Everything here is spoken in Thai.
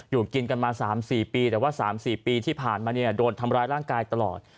อยู่กินกันมา๓๔ปีแต่ว่า๓๔ปีที่ผ่านมาเนี่ยโดนทำร้ายร่างกายตลอด